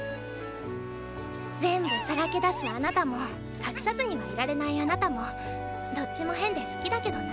全部さらけ出すあなたも隠さずにはいられないあなたもどっちも変で好きだけどな。